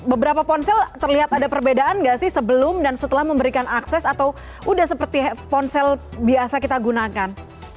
beberapa ponsel terlihat ada perbedaan nggak sih sebelum dan setelah memberikan akses atau udah seperti ponsel biasa kita gunakan